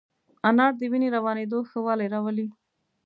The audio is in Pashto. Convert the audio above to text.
انار د وینې روانېدو ښه والی راولي.